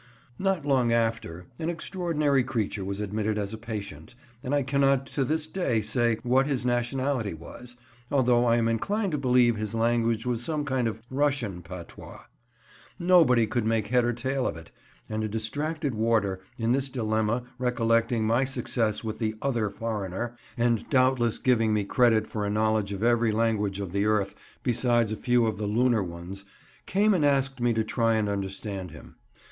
Not long after, an extraordinary creature was admitted as a patient, and I cannot to this day say what his nationality was, although I am inclined to believe his language was some kind of Russian patois. Nobody could make head or tail of him, and a distracted warder, in this dilemma recollecting my success with the "other foreigner" and doubtless giving me credit for a knowledge of every language of the earth besides a few of the lunar ones, came and asked me to try and understand him.